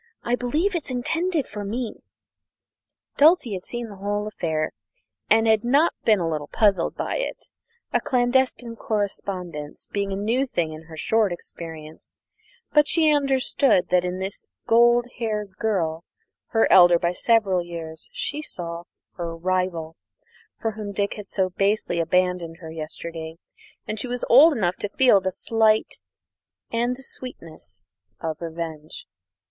I believe it's intended for me." Dulcie had seen the whole affair and had been not a little puzzled by it, a clandestine correspondence being a new thing in her short experience; but she understood that in this golden haired girl, her elder by several years, she saw her rival, for whom Dick had so basely abandoned her yesterday, and she was old enough to feel the slight and the sweetness of revenge.